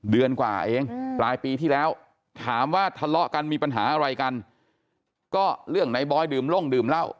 เดือนกว่าเองปลายปีที่แล้วถามว่าทะเลาะกันมีปัญหาอะไรกันก็เรื่องในบอยดื่มลงดื่มเหล้า